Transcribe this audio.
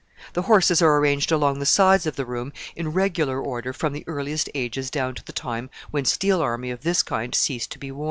The horses are arranged along the sides of the room in regular order from the earliest ages down to the time when steel armor of this kind ceased to be worn.